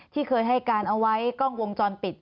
ที่เคยให้การเอาไว้กล้องวงจรปิด